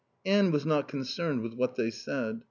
Anne was not concerned with what they said.